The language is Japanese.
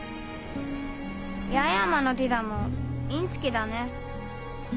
八重山のてぃだもインチキだね。